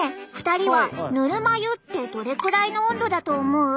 ２人はぬるま湯ってどれくらいの温度だと思う？